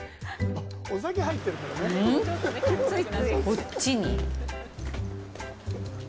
こっちに？